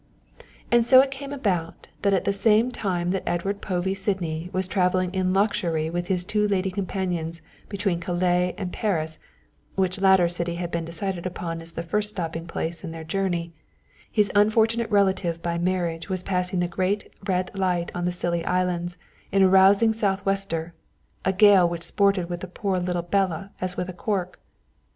And so it came about that at the same time that Edward Povey Sydney was travelling in luxury with his two lady companions between Calais and Paris (which latter city had been decided upon as the first stopping place in their journey), his unfortunate relative by marriage was passing the great red light on the Scilly Isles in a rousing south wester, a gale which sported with the poor little Bella as with a cork.